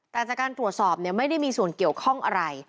การจัดการตรวจสอบเนี่ยไม่ได้มีส่วนเกี่ยวข้องอะไร